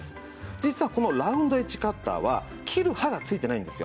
実はこのラウンドエッジカッターは切る刃が付いてないんですよ。